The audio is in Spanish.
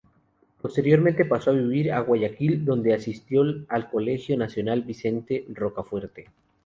Posteriormente pasó a vivir a Guayaquil, donde asistió al Colegio Nacional Vicente Rocafuerte.